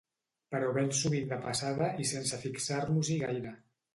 Però ben sovint de passada i sense fixar-nos-hi gaire.